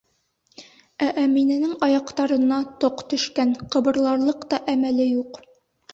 Ә Әминәнең аяҡтарына тоҡ төшкән, ҡыбырларлыҡ та әмәле юҡ.